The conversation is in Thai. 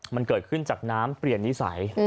มันเกิดขึ้นจากน้ำเปลี่ยนนิสัย